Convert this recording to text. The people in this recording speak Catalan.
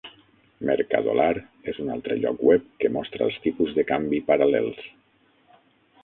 Mercadolar és un altre lloc web que mostra els tipus de canvi paral·lels.